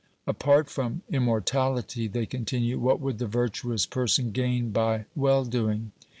Apart from immortality, they continue, what would the virtuous person gain by well doing?